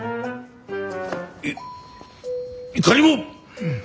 いっいかにも。